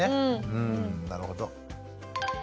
うんなるほど。